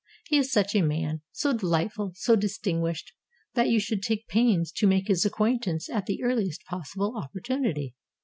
He is such a man — so delightful, so distinguished — that you should take pains to make his acquaintance at the ear liest possible opportunity.